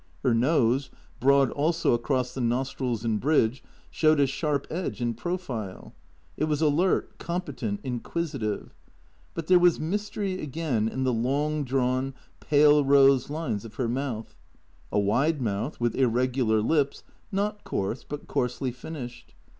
Her nose, broad also across the nostrils and bridge, showed a sharp edge in profile; it was alert, competent, inquisitive. But there was mystery again in the long drawn, pale rose lines of her mouth. A wide mouth with irregular lips, not coarse, but coarsely finished.